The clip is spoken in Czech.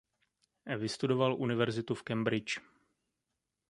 Vystudoval univerzitu v Cambridge.